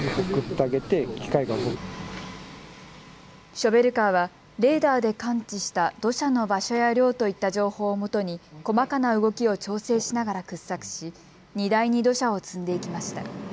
ショベルカーはレーダーで感知した土砂の場所や量といった情報をもとに細かな動きを調整しながら掘削し荷台に土砂を積んでいきました。